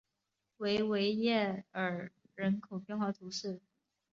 维维耶尔人口变化图示